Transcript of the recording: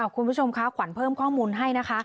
คุณผู้ชมคะขวัญเพิ่มข้อมูลให้นะคะ